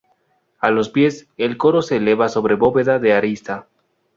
A los pies, el coro se eleva sobre bóveda de arista.